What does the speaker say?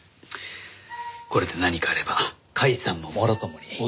これで何かあれば甲斐さんももろともに。